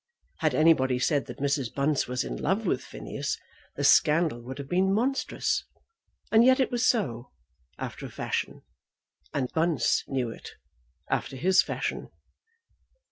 Had anybody said that Mrs. Bunce was in love with Phineas, the scandal would have been monstrous. And yet it was so, after a fashion. And Bunce knew it, after his fashion.